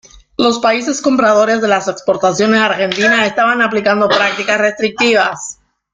Los países compradores de las exportaciones argentinas estaban aplicando prácticas restrictivas.